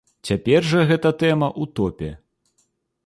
Цяпер жа гэта тэма ў топе.